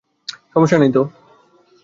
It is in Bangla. সমস্যা নেই তো?